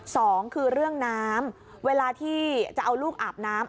สองคือเรื่องน้ำเวลาที่จะเอาลูกอาบน้ำ